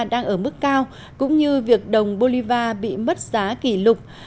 đang ở mức cao cũng như việc đồng bolivar bị mất giá kỷ lục